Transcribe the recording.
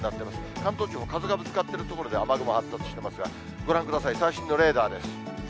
関東地方、風がぶつかってる所で雨雲発達してますが、ご覧ください、最新のレーダーです。